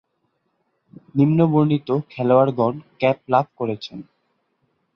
নিম্নবর্ণিত খেলোয়াড়গণ ক্যাপ লাভ করেছেন।